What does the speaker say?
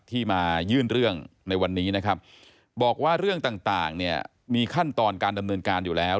ที่มายื่นเรื่องในวันนี้นะครับบอกว่าเรื่องต่างเนี่ยมีขั้นตอนการดำเนินการอยู่แล้ว